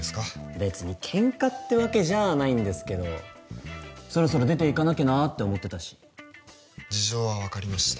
別にケンカってわけじゃないんですけどそろそろ出ていかなきゃなって思ってたし事情は分かりました